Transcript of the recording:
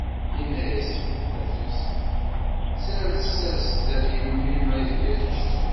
Yenna-as i tmeṭṭut-is: Sers-as-d i mmi-m ad yečč.